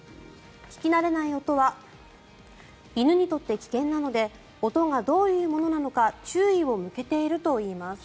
聞き慣れない音は犬にとって危険なので音がどういうものなのか注意を向けているといいます。